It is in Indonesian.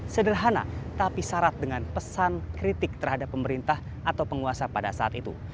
sederhana tapi syarat dengan pesan kritik terhadap pemerintah atau penguasa pada saat itu